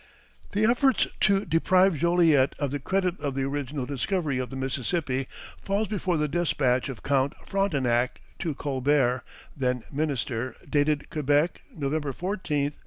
The efforts to deprive Joliet of the credit of the original discovery of the Mississippi falls before the despatch of Count Frontenac to Colbert, then Minister, dated Quebec, November 14, 1674: "VI.